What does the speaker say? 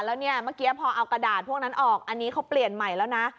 แล้วเนี่ยเมื่อกี้พอเอากระดาษพวกนั้นออกอันนี้เขาเปลี่ยนใหม่แล้วนะ